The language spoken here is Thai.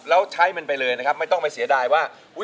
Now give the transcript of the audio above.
แล้วใช้มันไปเลยนะครับไม่ต้องไปเสียดายว่า